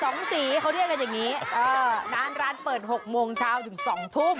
ข้าวมันไก่๒สีเขาเรียกกันอย่างนี้ร้านเปิด๖โมงเช้าถึง๒ทุ่ม